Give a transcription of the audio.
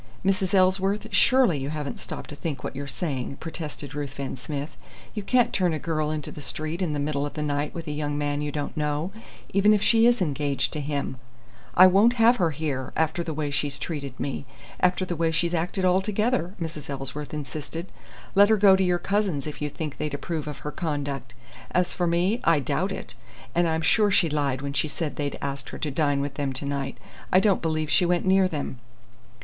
"Mrs. Ellsworth, surely you haven't stopped to think what you're saying!" protested Ruthven Smith. "You can't turn a girl into the street in the middle of the night with a young man you don't know, even if she is engaged to him." "I won't have her here, after the way she's treated me after the way she's acted altogether," Mrs. Ellsworth insisted. "Let her go to your cousins' if you think they'd approve of her conduct. As for me, I doubt it. And I'm sure she lied when she said they'd asked her to dine with them to night. I don't believe she went near them."